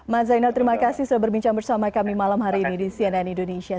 mas zainal terima kasih sudah berbincang bersama kami malam hari ini di cnn indonesia